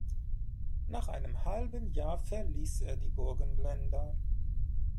Nach einem halben Jahr verließ er die Burgenländer.